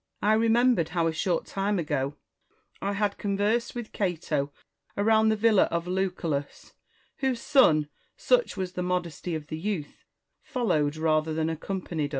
I remembered how short a time ago I had conversed with Cato around the villa of Lucullus, whose son, such was the modesty of the youth, followed rather than accompanied us.